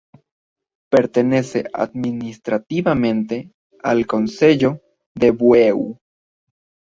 Pertenece administrativamente al concello de Bueu.